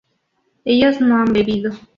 ellos no han bebido